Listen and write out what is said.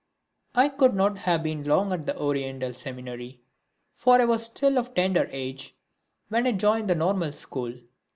I could not have been long at the Oriental Seminary, for I was still of tender age when I joined the Normal School.